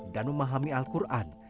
dan memahami al quran